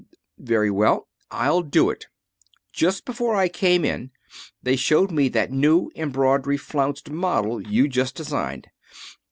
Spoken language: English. "Very well. I'll do it. Just before I came in they showed me that new embroidery flounced model you just designed.